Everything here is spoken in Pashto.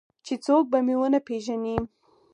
چې څوک به مې ونه پېژني.